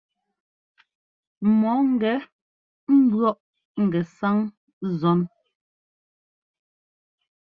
Mɔ ńgɛ ḿbʉ̈ɔʼ ŋgɛsáŋ zɔn.